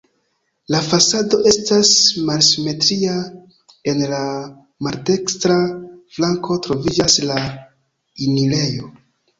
La fasado estas malsimetria, en la maldekstra flanko troviĝas la enirejo.